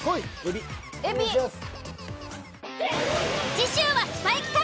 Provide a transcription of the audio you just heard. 次週はスパイ企画。